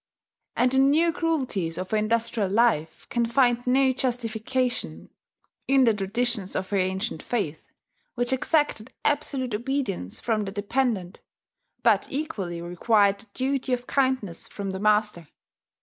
And the new cruelties of her industrial life can find no justification in the traditions of her ancient faith, which exacted absolute obedience from the dependant, but equally required the duty of kindness from the master.